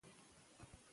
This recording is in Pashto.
د کورنۍ ناستې ډیرې کړئ.